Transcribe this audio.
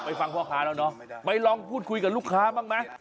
ฟังพ่อค้าแล้วเนาะไปลองพูดคุยกับลูกค้าบ้างไหม